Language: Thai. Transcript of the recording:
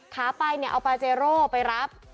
ขาไปเนี่ยเอาปาเจโร่ไปรับ